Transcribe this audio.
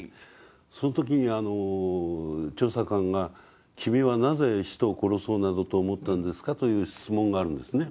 その時に調査官が「君はなぜ人を殺そうなどと思ったんですか」という質問があるんですね。